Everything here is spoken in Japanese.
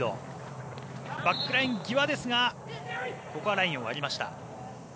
バックライン際ですがここはラインを割りました。